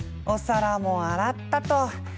お皿も洗ったと。